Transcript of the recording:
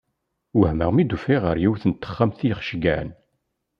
Wehmeɣ mi d-ufiɣ ɣer yiwet n texxamt i aɣ-ceggɛen.